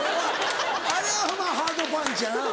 あれはまぁハードパンチやな。